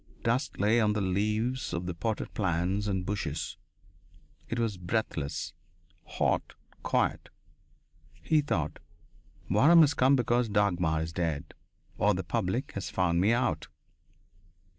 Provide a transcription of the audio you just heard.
Dust lay on the leaves of the potted plants and bushes. It was breathless, hot, quiet. He thought: "Waram has come because Dagmar is dead. Or the public has found me out!"